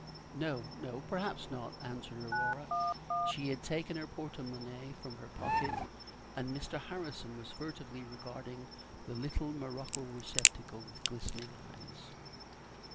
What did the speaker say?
"No, no, perhaps not," answered Aurora. She had taken her porte monnaie from her pocket, and Mr. Harrison was furtively regarding the little morocco receptacle with glistening eyes.